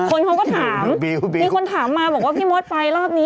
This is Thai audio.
คนเขาก็ถามมีคนถามมาบอกว่าพี่มดไปรอบนี้